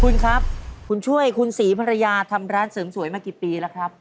คุณครับคุณช่วยคุณศรีภรรยาทำร้านเสริมสวยมากี่ปีแล้วครับ